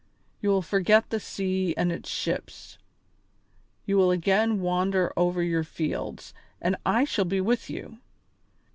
You will forget the sea and its ships; you will again wander over your fields, and I shall be with you.